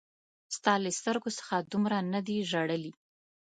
ستا له سترګو څخه دومره نه دي ژړلي